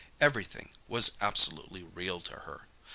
Everything was absolutely real to her.